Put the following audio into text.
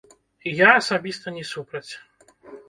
Я асабіста не супраць.